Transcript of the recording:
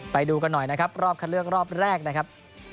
ไปดูกันหน่อยนะครับรอบคันเลือกรอบแรกนะครับ